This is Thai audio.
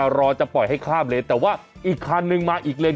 รอจะปล่อยให้ข้ามเลนแต่ว่าอีกคันนึงมาอีกเลน